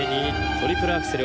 トリプルアクセル